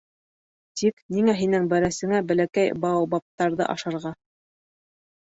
Тик ниңә һинең бәрәсеңә бәләкәй баобабтарҙы ашарға?